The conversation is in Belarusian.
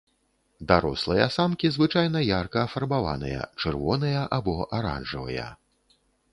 Дарослыя самкі звычайна ярка афарбаваныя, чырвоныя або аранжавыя.